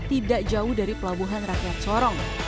tidak jauh dari pelabuhan rakyat sorong